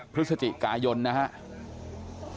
พฤศจิกายนนะครับ